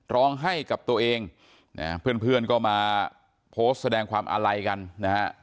ร้องให้กับตัวเองนะฮะเพื่อนก็มาโพสต์แสดงความอาลัยกันนะฮะ